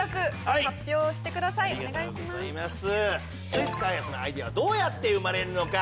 スイーツ開発のアイデアはどうやって生まれるのか？